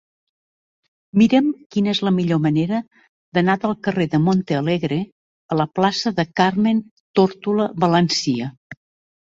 Mira'm quina és la millor manera d'anar del carrer de Montalegre a la plaça de Carmen Tórtola Valencia.